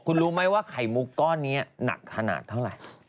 คุณรู้ไหมว่าไข่มุกก้อนนี้หนักขนาดเท่าไหร่